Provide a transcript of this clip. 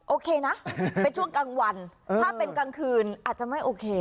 โอเคนะเป็นช่วงกลางวันถ้าเป็นกลางคืนอาจจะไม่โอเค